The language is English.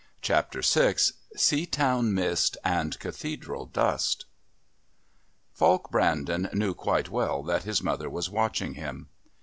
Chapter VI Seatown Mist and Cathedral Dust Falk Brandon knew quite well that his mother was watching him.